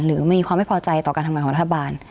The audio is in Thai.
หรือมีความไม่พอใจต่อการทำงานของรัฐบาล